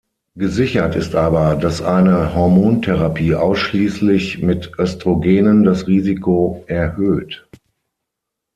Gesichert ist aber, dass eine Hormontherapie ausschließlich mit Östrogenen das Risiko erhöht.